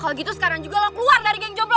kalo gitu sekarang juga lo keluar dari geng jomblo